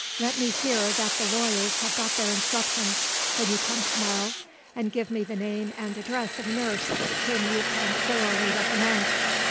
"Let me hear that the lawyers have got their instructions, when you come to morrow; and give me the name and address of a nurse whom you can thoroughly recommend.